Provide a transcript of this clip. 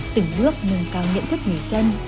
từng bước nâng cao nhận thức người dân